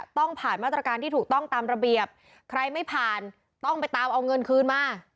ต้องผ่านมาตรการที่ถูกต้องตามระเบียบใครไม่ผ่านต้องไปตามเอาเงินคืนมา